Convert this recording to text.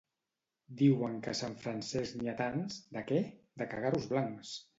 —Diuen que a Sant Francesc n'hi ha tants... —De què? —De cagarros blancs!